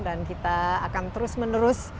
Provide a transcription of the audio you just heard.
dan kita akan terus menerus